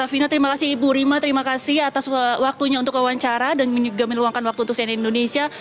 vina terima kasih ibu rima terima kasih atas waktunya untuk wawancara dan juga meluangkan waktu untuk cnn indonesia